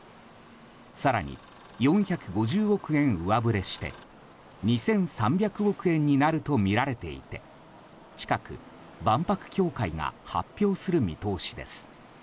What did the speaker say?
更に４５０億円上振れして２３００億円になるとみられていて近く万博協会が発表する見通しです。